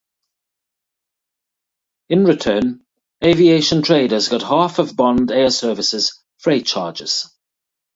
In return, Aviation Traders got half of Bond Air Services' freight charges.